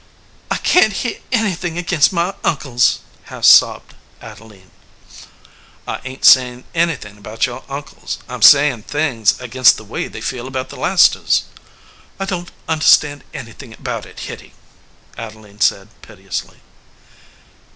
"I can t hear anything against my uncles," half sobbed Adeline. "I ain t saying anything against your uncles. 65 EDGEWATER PEOPLE I m saying things against the way they feel about the Leicesters." "I don t understand anything about it, Hitty," Adeline said, piteously.